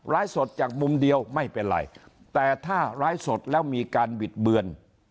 สดจากมุมเดียวไม่เป็นไรแต่ถ้าร้ายสดแล้วมีการบิดเบือน